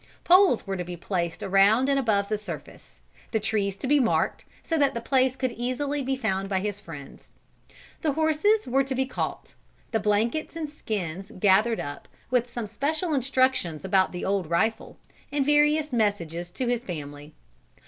Poles were to be placed around and above the surface, the trees to be marked so that the place could be easily found by his friends; the horses were to be caught, the blankets and skins gathered up, with some special instructions about the old rifle, and various messages to his family.